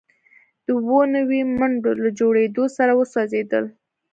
د اووه نوي منډو له جوړیدو سره وسوځیدل